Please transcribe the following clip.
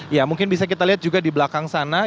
ya mungkin bisa kita lihat juga di belakang sana